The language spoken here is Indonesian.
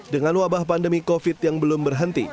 dengan wabah pandemi covid yang belum berhenti